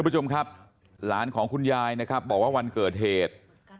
ผู้ชมครับหลานของคุณยายนะครับบอกว่าวันเกิดเหตุ